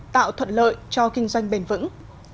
tạo thuận lợi cho kinh doanh bền vững